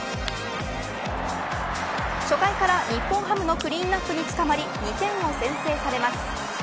初回から日本ハムのクリーンアップにつかまり２点を先制されます。